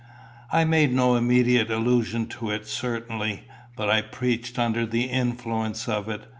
"I made no immediate allusion to it, certainly. But I preached under the influence of it.